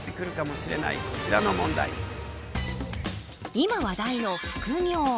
今話題の副業。